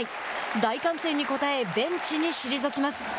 大歓声に応えベンチに退きます。